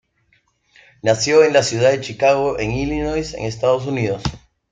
Nació en la ciudad de Chicago en Illinois en Estados Unidos.